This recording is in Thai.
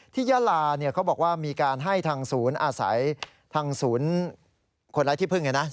ยาลาเขาบอกว่ามีการให้ทางศูนย์อาศัยทางศูนย์คนไร้ที่พึ่งเนี่ยนะ